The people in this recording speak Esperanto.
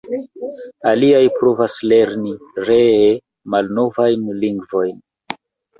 Aliaj provas lerni (ree) malnovajn lingvojn.